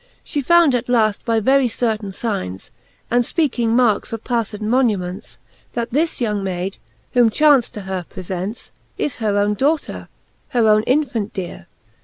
She found at laft by very certaine fignes, And fpeaking markes of pafled monuments. That this young Mayd, whom chance to her prefents Is her owne daughter, her owne infant deare.